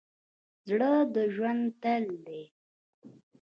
زړه د ژوند تل دی.